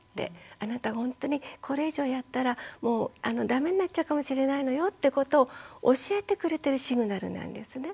あなたほんとにこれ以上やったら駄目になっちゃうかもしれないのよってことを教えてくれてるシグナルなんですね。